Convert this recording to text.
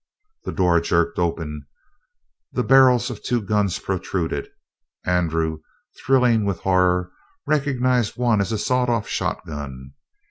The door jerked open, the barrels of two guns protruded. Andrew, thrilling with horror, recognized one as a sawed off shotgun.